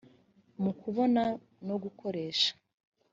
mu kubona no gukoresha